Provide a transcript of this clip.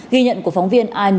ghi nhận của phóng viên intv